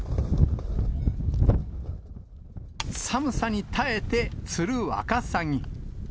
寒さに耐えて釣るワカサギ。